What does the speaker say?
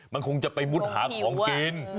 มันคงจะไปมุดหาของกิน